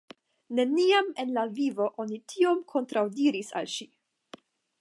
Neniam en la vivo oni tiom kontraŭdiris al ŝi.